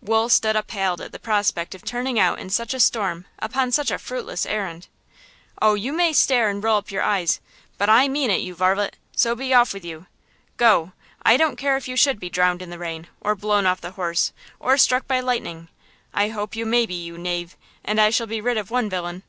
Wool stood appalled at the prospect of turning out in such a storm upon such a fruitless errand. "Oh, you may stare and roll up your eyes, but I mean it, you varlet! So be off with you! Go! I don't care if you should be drowned in the rain, or blown off the horse, or struck by lightning. I hope you may be, you knave, and I shall be rid of one villain!